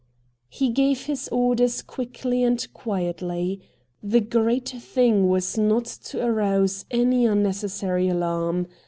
MR. RATT GUNDY 113 He gave his orders quickly and quietly. The great thing was not to arouse any un necessary alarm.